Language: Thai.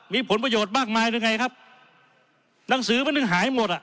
มีผลประโยชน์มากมายหรือไงครับหนังสือมันถึงหายหมดอ่ะ